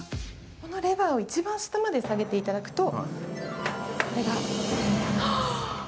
これのレバーを一番下まで下げていただくと。